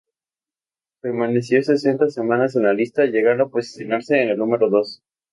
Permaneció sesenta semanas en la lista, llegando a posicionarse en el número dos.